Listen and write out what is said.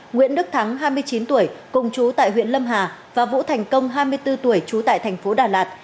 nguyễn đức thắng hai mươi chín tuổi cùng chú tại huyện lâm hà và vũ thành công hai mươi bốn tuổi trú tại thành phố đà lạt